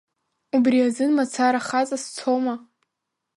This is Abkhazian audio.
Убри азын мацара хаҵа сцома?